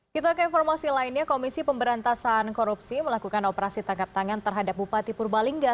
kita ke informasi lainnya komisi pemberantasan korupsi melakukan operasi tangkap tangan terhadap bupati purbalingga